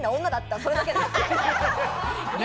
それだけです。